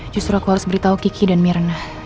justru aku harus beritahu kiki dan mirna